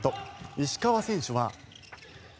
石川選手は。